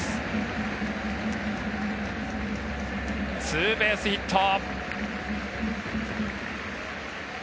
ツーベースヒット。